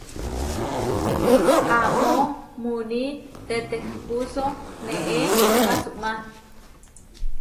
Amó muní tetehpúso neé pasumá.